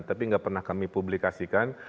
tapi nggak pernah kami publikasikan